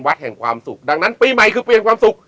วัดแห่งความสุขดังนั้นปีใหม่คือปีแห่งความสุข